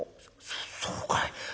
そそうかい。